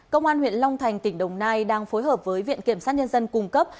công an huyện long thành tỉnh đồng nai đang phối hợp với viện kiểm sát nhân dân cung cấp